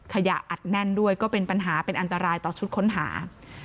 อัดแน่นด้วยก็เป็นปัญหาเป็นอันตรายต่อชุดค้นหา